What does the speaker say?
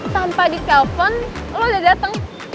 tanpa di telpon lo udah dateng